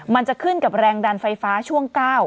มันจะขึ้นกับแรงดันไฟฟ้าช่วง๙